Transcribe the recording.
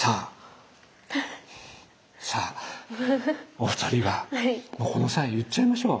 お二人はもうこの際言っちゃいましょう。